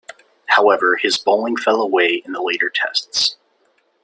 However, his bowling fell away in the later Tests.